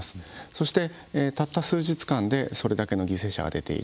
そしてたった数日間でそれだけの犠牲者が出ている。